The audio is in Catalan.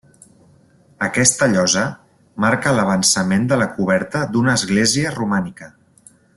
Aquesta llosa marca l'avançament de la coberta d'una església romànica.